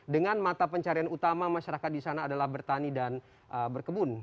dengan mata pencarian utama masyarakat di sana adalah bertani dan berkebun